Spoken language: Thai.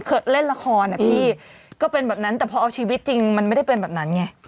เล่นละครอ่ะพี่ก็เป็นแบบนั้นแต่พอเอาชีวิตจริงมันไม่ได้เป็นแบบนั้นไง